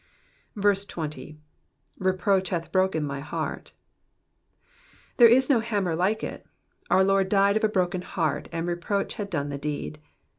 20. ^^Beproach hath broken my heart,'*'* There is no hammer like it. Our Lord died of a broken heart, and reproach had done the deed.